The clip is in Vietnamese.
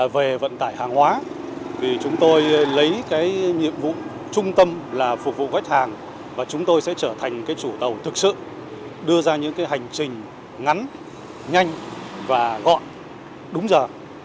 về vận tải hàng hóa chúng tôi lấy nhiệm vụ trung tâm là phục vụ bách hàng và chúng tôi sẽ trở thành chủ tàu thực sự đưa ra những hành trình ngắn nhanh và gọn đúng giờ